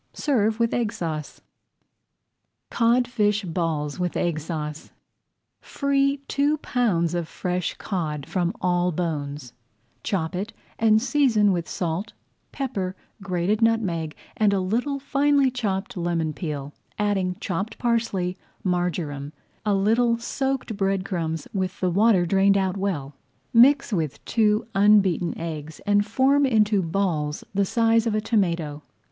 Serve with Egg Sauce. [Page 98] CODFISH BALLS WITH EGG SAUCE Free two pounds of fresh cod from all bones; chop it and season with salt, pepper, grated nutmeg, and a little finely chopped lemon peel, adding chopped parsley, marjoram, a little soaked bread crumbs with the water drained well out; mix with two unbeaten eggs and form into balls the size of a tomato.